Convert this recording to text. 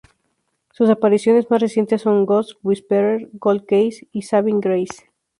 Sus apariciones más recientes son "Ghost Whisperer", "Cold Case" y "Saving Grace".